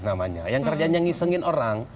namanya yang kerjanya ngisengin orang